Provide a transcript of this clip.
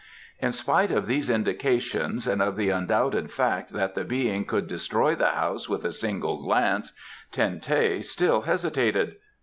In spite of these indications, and of the undoubted fact that the Being could destroy the house with a single glance, Ten teh still hesitated.